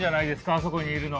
あそこにいるの。